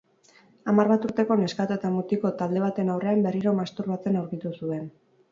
Hamar bat urteko neskato eta mutiko talde baten aurrean berriro masturbatzen aurkitu zuen.